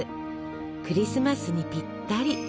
クリスマスにぴったり。